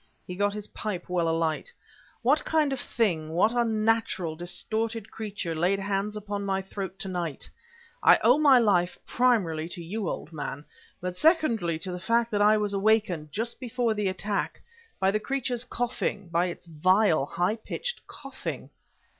He got his pipe well alight. "What kind of thing, what unnatural, distorted creature, laid hands upon my throat to night? I owe my life, primarily, to you, old man, but, secondarily, to the fact that I was awakened, just before the attack by the creature's coughing by its vile, high pitched coughing..."